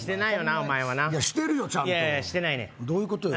お前はないやしてるよちゃんといやいやしてないねどういうことよ